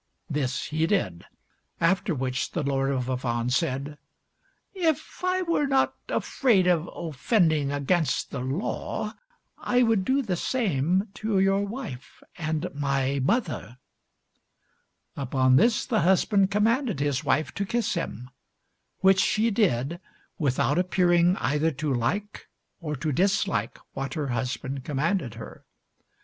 This he did, after which the Lord of Avannes said : "If I were not afraid of offending against the law, I would do the same to your wife and my mother." Upon this, the husband commanded his wife to kiss him, which she did without appearing either to like or to dislike what her husband commanded her.